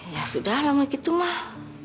ya sudah lah mulai gitu mah